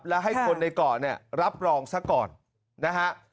และให้คนในเกาะเนี่ยรับรองซะก่อนนะฮะ